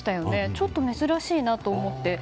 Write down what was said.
ちょっと珍しいなと思って。